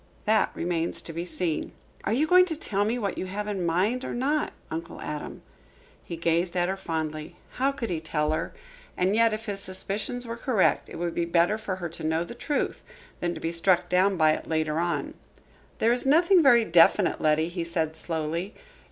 "That remains to be seen." "Are you going to tell me what you have in your mind or not, Uncle Adam?" He gazed at her fondly. How could he tell her? And yet, if his suspicions were correct, it would be better for her to know the truth now than to be struck down by it later on. "There is nothing very definite, Letty," he said slowly.